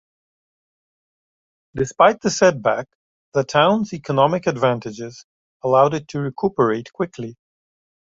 Despite that setback, the town's economic advantages allowed it to recuperate quickly.